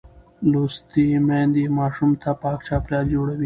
لوستې میندې ماشوم ته پاک چاپېریال جوړوي.